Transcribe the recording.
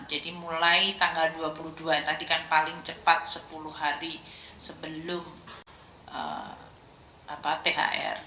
jadi mulai tanggal dua puluh dua tadi kan paling cepat sepuluh hari sebelum thr